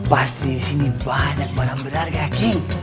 pasti disini banyak warna berharga ya king